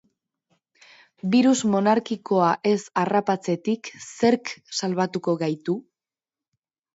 Birus monarkikoa ez harrapatzetik zerk salbatuko gaitu?